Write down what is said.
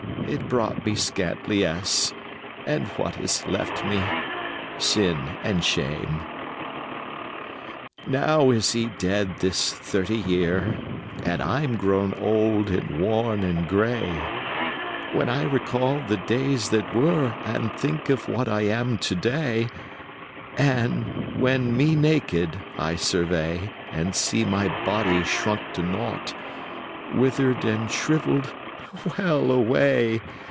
It brought me scant liesse: And what is left me? Sin and shame. V."Now is he dead this thirty year, And I'm grown old and worn and gray: When I recall the days that were 35 And think of what I am to day And when me naked I survey And see my body shrunk to nought, Withered and shrivelled,—wellaway!